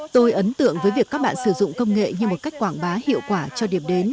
tôi ấn tượng với việc các bạn sử dụng công nghệ như một cách quảng bá hiệu quả cho điểm đến